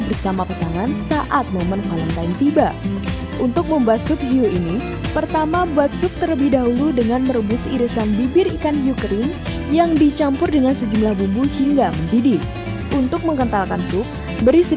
rasanya sebenarnya yang ingin kita tampilkan adalah rasa yang agak lebih fantastis